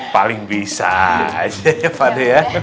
paling bisa aja ya pade ya